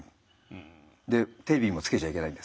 でテレビもつけちゃいけないんです。